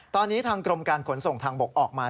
ตอนนี้ทางกรมการขนส่งทางบกออกมา